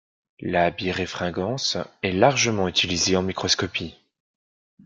La biréfringence est largement utilisée en microscopie.